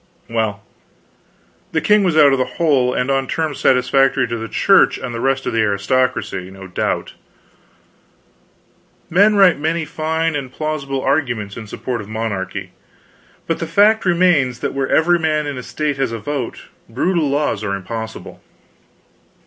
Well, the king was out of the hole; and on terms satisfactory to the Church and the rest of the aristocracy, no doubt. Men write many fine and plausible arguments in support of monarchy, but the fact remains that where every man in a State has a vote, brutal laws are impossible.